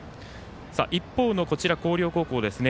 一方の、広陵高校ですね。